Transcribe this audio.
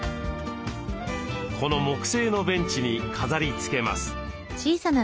この木製のベンチに飾りつけます。